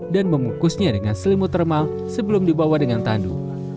dan mengukusnya dengan selimut termal sebelum dibawa dengan tandu